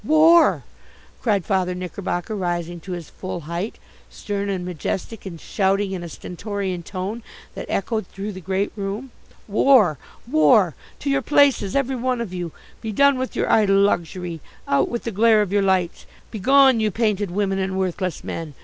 "War!" cried Father Knickerbocker, rising to his full height, stern and majestic and shouting in a stentorian tone that echoed through the great room. "War! War! To your places, every one of you! Be done with your idle luxury! Out with the glare of your lights! Begone you painted women and worthless men!